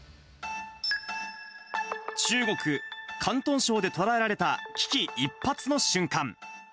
中国・広東省で捉えられた、危機一髪の瞬間。